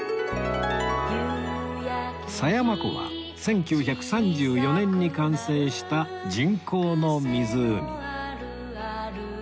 狭山湖は１９３４年に完成した人工の湖